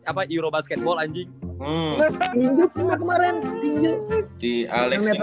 ini kalau ada dukungan unstoppable madrid